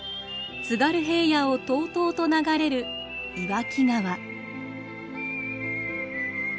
津軽平野をとうとうと流れる岩木川。